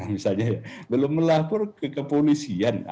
misalnya belum melapor ke kepolisian